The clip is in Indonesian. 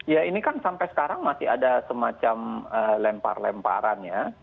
ya ini kan sampai sekarang masih ada semacam lempar lemparan ya